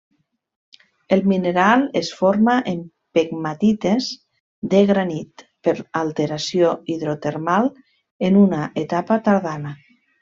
El mineral es forma en pegmatites de granit per alteració hidrotermal en una etapa tardana.